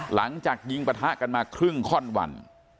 หลังจากยิงปะทะกันมาครึ่งข้อนวัน